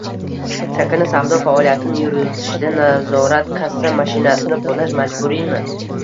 Chakana savdo faoliyatini yuritishda nazorat-kassa mashinasini qo‘llash majburiymi?